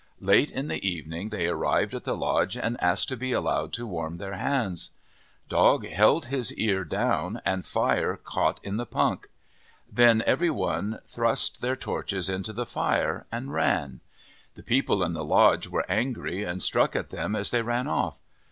Late in the evening they arrived at the lodge and asked to be allowed to warm their hands. Dog held his ear down and fire caught in the punk. 45 MYTHS AND LEGENDS Then every one thrust their torches into the fire and ran. The people in the lodge were angry and struck at them as they ran off.